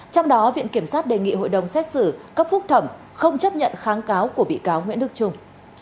trong đó viện kiểm sát đề nghị hội đồng xét xử cấp phúc thẩm không chấp nhận kháng cáo của bị cáo nguyễn đức trung